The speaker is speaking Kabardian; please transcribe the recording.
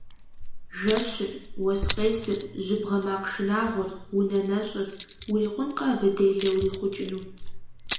Жэщыр, уэс къесыр, жьыбгъэ макъ шынагъуэр, унэ нэщӏыр – урикъункъэ абы делэ урихъукӏыну!